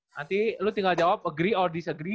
nanti lu tinggal jawab agree or disagree